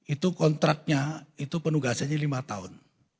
itu kontraknya itu penugasannya lima tahun